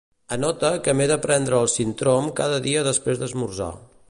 Anota que m'he de prendre el Sintrom cada dia després d'esmorzar.